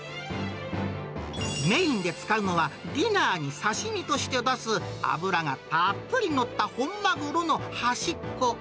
メインで使うのは、ディナーに刺身として出す脂がたっぷり載った本マグロの端っこ。